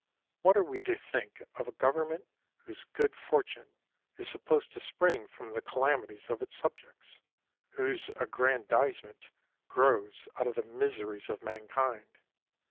What are we to think of a government whose good fortune is supposed to spring from the calamities of its subjects, whose aggrandize ment grows out of the miseries of mankind?